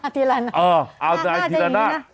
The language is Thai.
ธีระนาจน่ากล้านจะอยู่นี่นะ